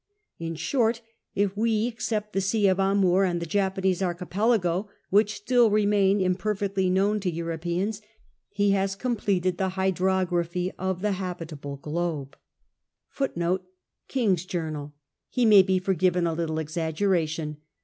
In short, if we except the Sea of Amoor an»l the Japam^se Archipelago, wdiich still remain imperfectly known to Europeans, he has completed the hydrography of the habitable globe. ^^ King's Journal, lie may be forgiven a little exaggeration.